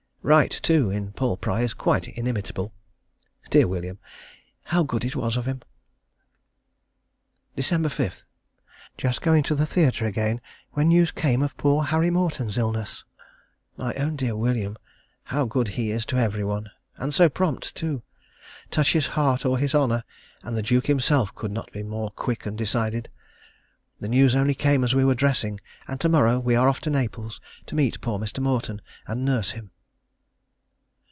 Wright, too, in "Paul Pry," is quite inimitable. Dear William, how good it was of him!.... Dec. 5. Just going to the theatre again when news came of poor Harry Morton's illness. My own dear William, how good he is to every one. And so prompt, too. Touch his heart or his honour, and the Duke himself could not be more quick and decided. The news only came as we were dressing, and to morrow we are off to Naples to meet poor Mr. Morton, and nurse him.